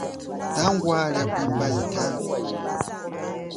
Tangwa lia kwimba yitavi.